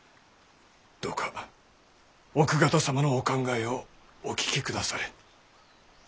どうか奥方様のお考えをお聞きくだされ。